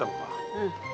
うん。